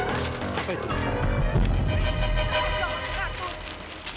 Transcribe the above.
tidak mau ngatur